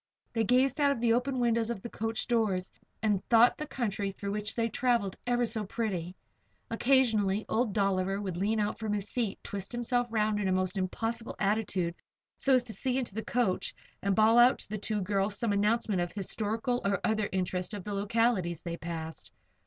They gazed out of the open windows of the coach doors and thought the country through which they traveled ever so pretty. Occasionally old Dolliver would lean out from his seat, twist himself around in a most impossible attitude so as to see into the coach, and bawl out to the two girls some announcement of the historical or other interest of the localities they passed.